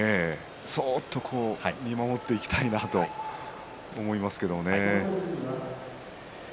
そっと見守っていきたいなと思います。